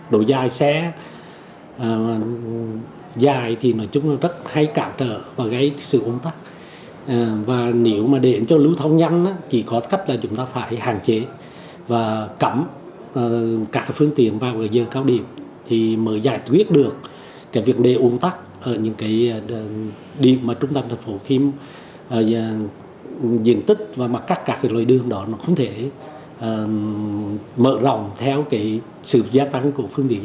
độ dài xe dài thì nói chung là rất hay cạm trở và gây sự ôn tắc